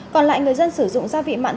còn lại người dân sử dụng gia vị mặn